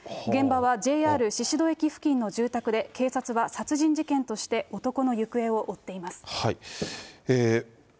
現場はＪＲ宍戸駅付近の住宅で、警察は殺人事件として男の行方を追っています。